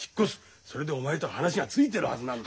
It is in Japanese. それでお前と話がついてるはずなんだ。